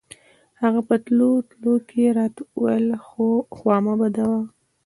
هغه په تلو تلو کښې راته وويل خوا مه بدوه.